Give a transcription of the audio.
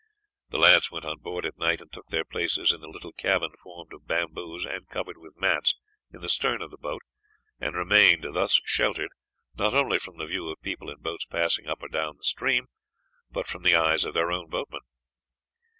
The lads went on board at night and took their places in the little cabin formed of bamboos and covered with mats in the stern of the boat, and remained thus sheltered not only from the view of people in boats passing up or down the stream, but from the eyes of their own boatmen.